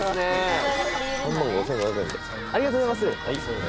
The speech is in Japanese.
ありがとうございます。